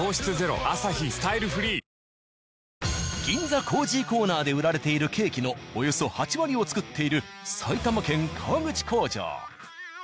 「銀座コージーコーナー」で売られているケーキのおよそ８割を作っている埼玉県川口工場。